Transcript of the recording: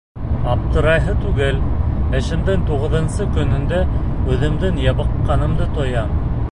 Аптырайһы түгел, эшемдең туғыҙынсы көнөндә үҙемдең ябыҡҡанымды тоям.